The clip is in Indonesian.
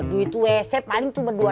duit wc paling tuh beneran